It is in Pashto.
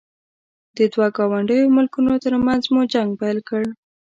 د دوو ګاونډیو ملکونو ترمنځ مو جنګ بل کړ.